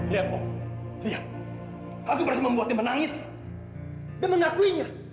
lihat pong lihat aku berhasil membuatnya menangis dan mengakuinya